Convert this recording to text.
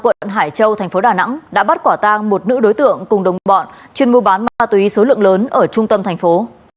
quận hải châu thành phố đà nẵng đã bắt quả tang một nữ đối tượng cùng đồng bọn chuyên mua bán ma túy số lượng lớn ở trung tâm thành phố